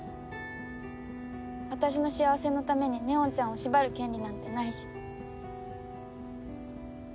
私の幸せのために祢音ちゃんを縛る権利なんてないし。